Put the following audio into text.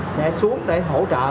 sẽ xuống để hỗ trợ